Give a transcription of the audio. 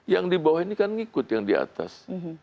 yang di bawah ini kan ngikut yang di atas